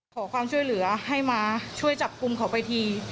ขอความช่วยเหลือให้มาช่วยจับกลุ่มเขาไปที